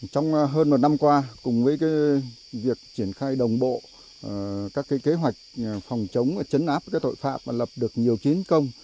trong hơn một năm qua cùng với việc triển khai đồng bộ các kế hoạch phòng chống chấn áp tội phạm và lập được nhiều chiến công